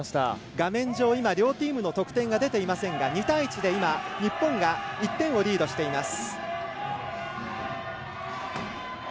画面上、両チームの得点が出ていませんが２対１で、日本が１点をリードしています。